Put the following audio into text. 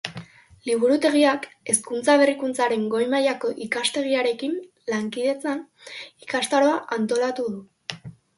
Liburutegiak, Hezkuntza Berrikuntzaren Goi Mailako Ikastegiarekin lankidetzan, ikastaroa antolatu du.